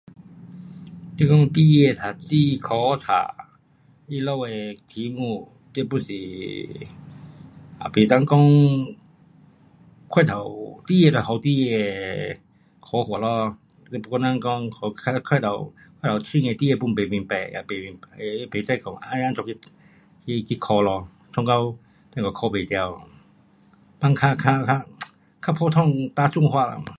你讲孩儿读书考册，他们的题目你 pun 是，也不能讲过头，孩儿就给孩儿的考法咯，嘞不跟人讲考较过头深的孩儿也不明白。他也不知讲要怎样去，去考咯。弄到等下考不到。放较，较，较 um 普通，大众化了嘛。